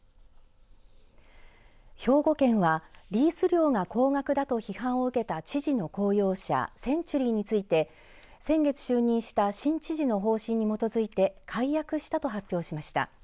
兵庫県はリース料が高額だと批判を受けた知事の公用車センチュリーについて先月就任した新知事の方針に基づいて解約したと発表しました。